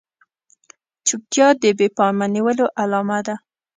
چوپتيا د بې پامه نيولو علامه ده.